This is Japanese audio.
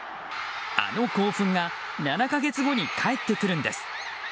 あの興奮が７か月後に帰ってくるんです。